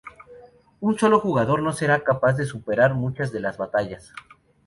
Un solo jugador no será capaz de superar muchas de las batallas.